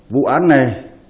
vụ án này